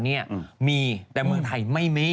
มีแต่เมืองไทยไม่มี